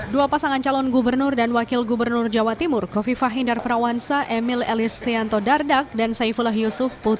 dua pasangan calon gubernur dan wakil gubernur jawa timur kofi fahindar prawansa emil elis tianto dardak dan saifulah yusuf puti guntur soekarno